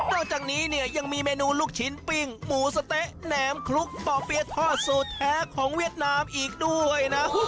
จากนี้เนี่ยยังมีเมนูลูกชิ้นปิ้งหมูสะเต๊ะแหนมคลุกป่อเปี๊ยทอดสูตรแท้ของเวียดนามอีกด้วยนะ